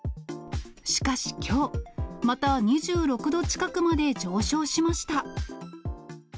しかしきょう、また２６度近くまで上昇しました。